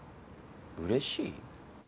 「うれしい」？